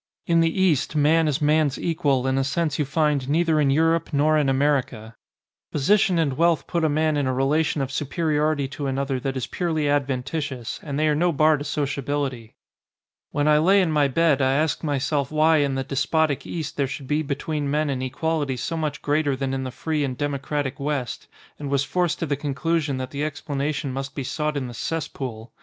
In the East man is man's equal in a sense you find neither in Europe nor in America. Position and wealth put a man in a 141 ON A CHINESE SCREEN relation of superiority to another that is purely adventitious, and they are no bar to sociability. When I lay in my bed I asked myself why in the despotic East there should be between men an equality so much greater than in the free and democratic West, and was forced to the conclu sion that the explanation must be sought in the cess pool.